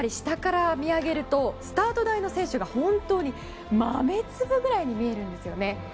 下から見上げるとスタート台の選手が本当に豆粒ぐらいに見えるんですよね。